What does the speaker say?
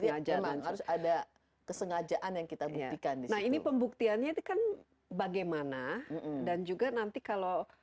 ya memang harus ada kesengajaan yang kita buktikan nah ini pembuktiannya itu kan bagaimana dan juga nanti kalau